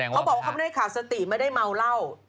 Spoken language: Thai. เขาบอกว่าเขาไม่ได้ขาดสติไม่ได้เมาเหล้า